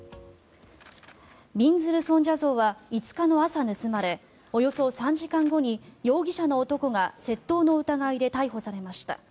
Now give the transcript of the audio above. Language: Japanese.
びんずる尊者像は５日の朝、盗まれおよそ３時間後に容疑者の男が窃盗の疑いで逮捕されました。